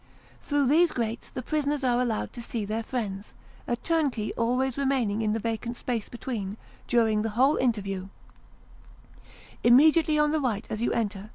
Through these grates the prisoners are allowed to see their friends ; a turnkey always remaining in the vacant space between, during the whole interview, Immediately on the right as you enter, Its Press room.